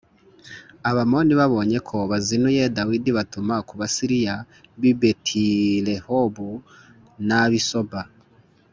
Abamoni babonye ko bazinuye Dawidi batuma ku Basiriya b’i Betirehobu n’ab’i Soba